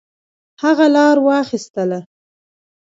هغه لار واخیستله.